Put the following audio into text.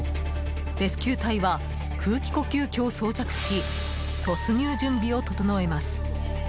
レスキュー隊は空気呼吸器を装着し突入準備を整えます。